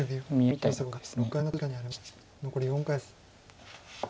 残り５回です。